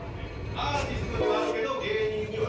アーティストにはあるけど芸人にはない。